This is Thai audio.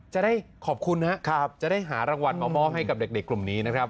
จะได้ขอบคุณนะครับจะได้หารางวัลมามอบให้กับเด็กกลุ่มนี้นะครับ